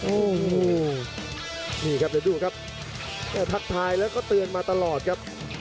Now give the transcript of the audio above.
โอ้โหนี่ครับเดี๋ยวดูครับแค่ทักทายแล้วก็เตือนมาตลอดครับ